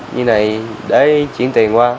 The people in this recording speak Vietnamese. như này để chuyển tiền qua